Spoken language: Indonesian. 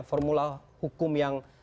formula hukum yang